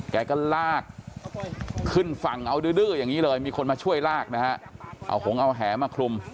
แกก็ลากขึ้นฝั่งเอาดื้ออย่างนี้เลยมีคนมาช่วยลากนะฮะเอาหงเอาแหมาคลุม